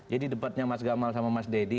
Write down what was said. jadi debatnya mas gamal sama mas deddy